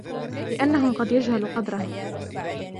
لِأَنَّهُ قَدْ يَجْهَلُ قَدْرَهُ